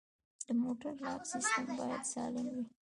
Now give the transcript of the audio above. د موټر لاک سیستم باید سالم وي.